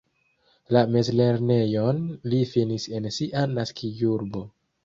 La mezlernejon li finis en sia naskiĝurbo.